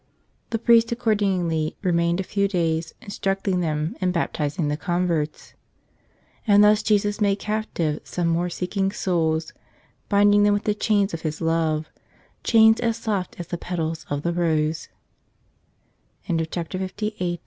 The priest accordingly remained a few days, instructing them and baptizing the converts. And thus Jesus made captive some more seeking souls, binding them with the chains of His love — chains as soft as the